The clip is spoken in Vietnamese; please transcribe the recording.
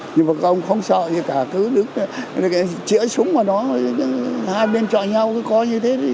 nhưng mà không sợ gì cả cứ đứng chữa súng vào đó hai bên chọi nhau cứ coi như thế